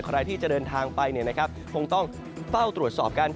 ใครที่จะเดินทางไปคงต้องเฝ้าตรวจสอบกัน